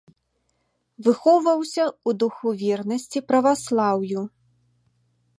Выхоўваўся ў духу вернасці праваслаўю.